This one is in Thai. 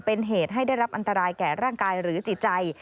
เป็นเหตุให้ได้รับอันตรายแก่ร่างกายหรือจิตใจ